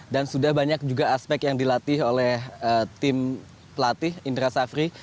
dan sudah banyak juga aspek yang dilatih oleh tim pelatih indra safri